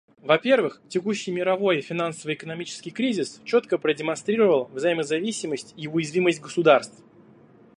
Во-первых, текущий мировой финансово-экономический кризис четко продемонстрировал взаимозависимость и уязвимость государств.